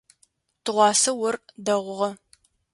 Тыгъуасэ ор дэгъугъэ.